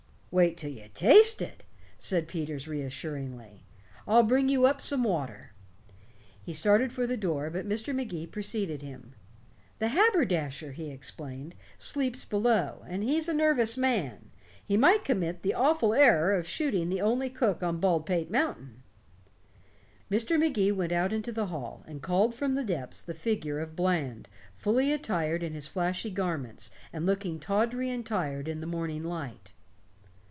"Wait till you taste it," said Peters reassuringly. "I'll bring you up some water." He started for the door, but Mr. Magee preceded him. "The haberdasher," he explained, "sleeps below, and he's a nervous man. He might commit the awful error of shooting the only cook on Baldpate Mountain." Mr. Magee went out into the hall and called from the depths the figure of Bland, fully attired in his flashy garments, and looking tawdry and tired in the morning light.